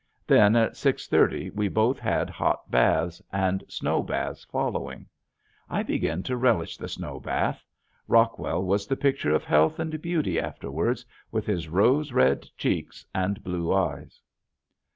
Then at six thirty we both had hot baths, and snow baths following. I begin to relish the snow bath. Rockwell was the picture of health and beauty afterwards with his rose red cheeks and blue eyes.